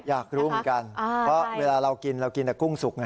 อยากรู้เหมือนกันเพราะเวลาเรากินเรากินแต่กุ้งสุก